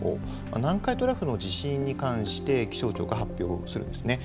南海トラフの地震に関して気象庁が発表するんですね。